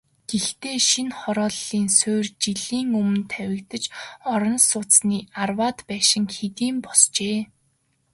Гэхдээ шинэ хорооллын суурь жилийн өмнө тавигдаж, орон сууцны арваад байшин хэдийн босжээ.